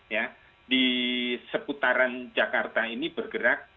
ya di seputaran jakarta ini bergerak